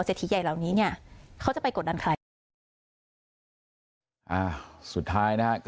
ทีใหญ่เหล่านี้เนี่ยเขาจะไปกดดันใครอ่าสุดท้ายนะฮะ